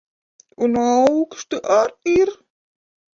Un auksti ar ir.